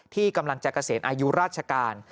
ที่กำลังจะเกษียณอายุราชการ